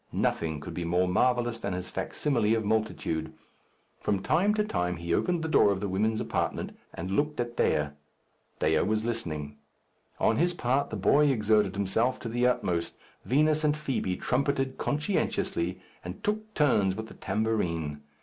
Nothing could be more marvellous than his facsimile of multitude. From time to time he opened the door of the women's apartment and looked at Dea. Dea was listening. On his part the boy exerted himself to the utmost. Vinos and Fibi trumpeted conscientiously, and took turns with the tambourine.